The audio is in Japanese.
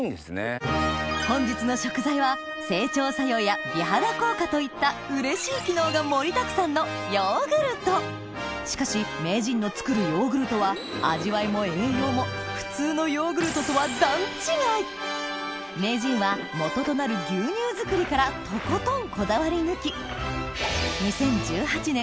本日の食材は整腸作用や美肌効果といったうれしい機能が盛りだくさんのヨーグルトしかし名人の作るヨーグルトは味わいも栄養も普通のヨーグルトとは段違い名人は基となる牛乳作りからとことんこだわり抜き２０１８年